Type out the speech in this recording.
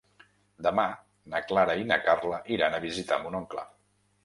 Demà na Clara i na Carla iran a visitar mon oncle.